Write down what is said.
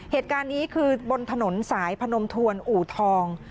เหตุการณ์นี้คือบนถนนสายพนมทวนอูทอง